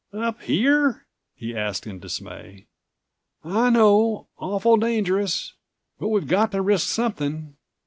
"Up here?" he asked in dismay. "I know—awful dangerous. But we've got to risk something.